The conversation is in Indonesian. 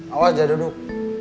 awas aja duduk